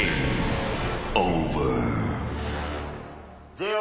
ＪＯ